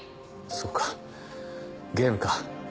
そうかゲームか。